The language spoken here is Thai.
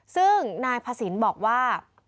ซึ่งนายพระศิลป์บอกว่า